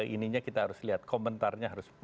ininya kita harus lihat komentarnya harus